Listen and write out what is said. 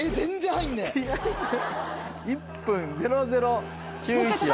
１分００秒９１よ。